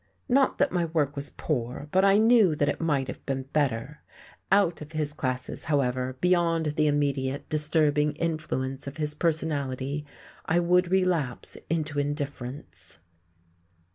Not that my work was poor, but I knew that it might have been better. Out of his classes, however, beyond the immediate, disturbing influence of his personality I would relapse into indifference....